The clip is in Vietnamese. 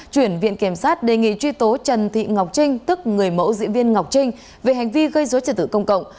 chuyển viện kiểm sát đề nghị truy tố trần thị ngọc trinh tức người mẫu diễn viên ngọc trinh về hành vi gây dối trật tự công cộng